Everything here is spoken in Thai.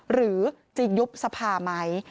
หรือจะยุบสภาไหม